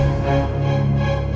sial aku keceplosan